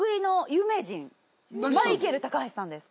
マイケル高橋さんです